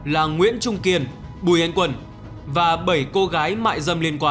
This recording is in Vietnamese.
là nguyễn trung kiên bùi anh quân và bảy cô gái mại dâm liên quan